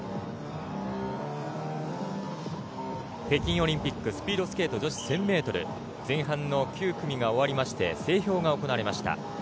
北京オリンピックスピードスケート女子１０００ｍ前半の９組が終わりまして整氷が行われました。